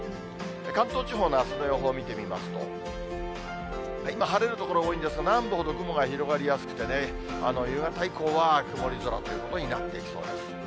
関東地方のあすの予報を見てみますと、晴れる所多いんですが、南部ほど雲が広がりやすくてね、夕方以降は曇り空ということになってきそうです。